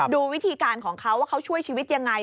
ดูวิธีการของเขาว่าเขาช่วยชีวิตยังไง